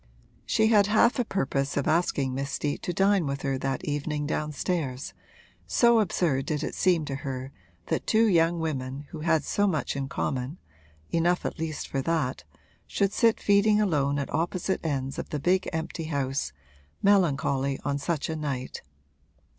She had half a purpose of asking Miss Steet to dine with her that evening downstairs, so absurd did it seem to her that two young women who had so much in common (enough at least for that) should sit feeding alone at opposite ends of the big empty house, melancholy on such a night.